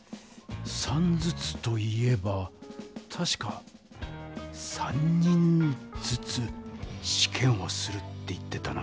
３ずつと言えばたしか「３人ずつしけんをする」って言ってたな。